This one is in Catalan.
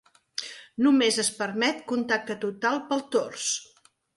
Només es permet contacte total pel tors.